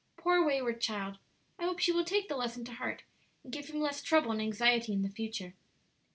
"Poor wayward child! I hope she will take the lesson to heart, and give him less trouble and anxiety in future."